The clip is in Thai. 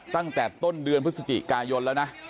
ตั้งแต่ต้นเดือนพฤศจิกายนแล้วนะ